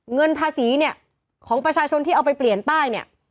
เงินภาษีเนี่ยของประชาชนที่เอาไปเปลี่ยนป้ายเนี่ย